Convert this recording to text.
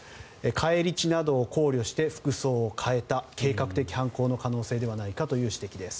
返り血などを考慮して服装を変えた計画的犯行の可能性ではないかという指摘です。